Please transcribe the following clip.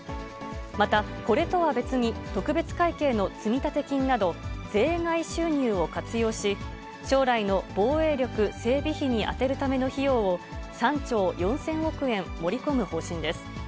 またこれとは別に、特別会計の積立金など、税外収入を活用し、将来の防衛力整備費に充てるための費用を、３兆４０００億円盛り込む方針です。